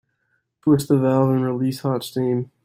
Twist the valve and release hot steam.